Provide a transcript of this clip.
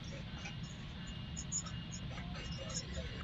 耆英号接下来驶往英国。